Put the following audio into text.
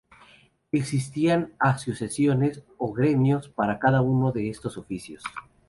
Existían asociaciones, o gremios, para cada uno de estos oficios.